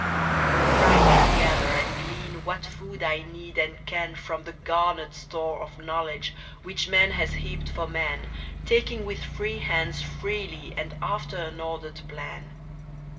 The right to gather and glean What food I need and can From the garnered store of knowledge Which man has heaped for man, Taking with free hands freely and after an ordered plan.